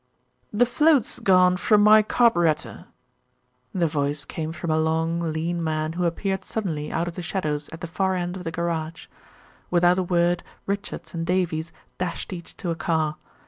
"The float's gone from my carburettor." The voice came from a long, lean man who appeared suddenly out of the shadows at the far end of the garage. Without a word Richards and Davies dashed each to a car.